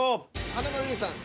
華丸兄さん